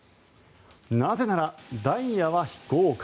なぜなら、ダイヤは非公開。